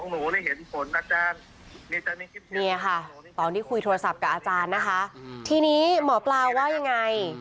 นี่ค่ะตอนที่คุยโทรศัพท์กับอาจารย์นะคะทีนี้หมอปลาว่ายังไง